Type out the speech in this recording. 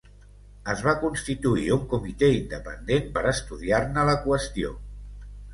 Es va constituir un comitè independent per estudiar-ne la qüestió.